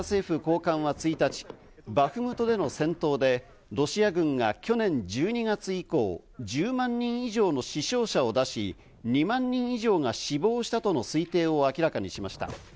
一方、アメリカ政府高官は１日、バフムトでの戦闘でロシア軍が去年１２月以降、１０万人以上の死傷者を出し、２万人以上が死亡したとの推定を明らかにしました。